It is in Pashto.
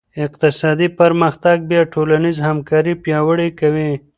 اقتصادي پرمختګ بیا ټولنیزې همکارۍ پیاوړې کوي.